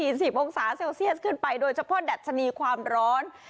มองศาเซลเซียสขึ้นไปโดยเฉพาะดัชนีความร้อน